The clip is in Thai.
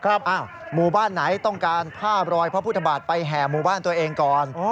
หมู่บ้านไหนต้องการผ้ารอยพระพุทธบาทไปแห่หมู่บ้านตัวเองก่อน